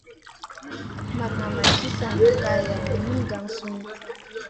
Makŋa may ci sa ɗi nan kaleya nen min gangsunu.